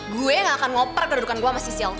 gue ga akan ngoper kedudukan gue ama sisil